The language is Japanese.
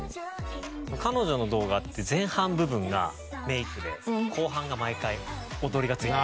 彼女の動画って前半部分がメイクで後半が毎回踊りがついてる。